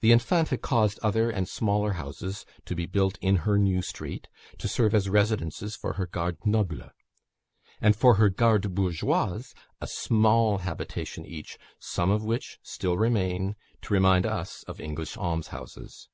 The Infanta caused other and smaller houses to be built in her new street, to serve as residences for her "garde noble;" and for her "garde bourgeoise," a small habitation each, some of which still remain, to remind us of English almshouses.